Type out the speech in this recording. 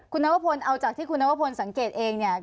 คุณนวพลเอาจากที่คุณนวพลสังเกตเองเนี่ย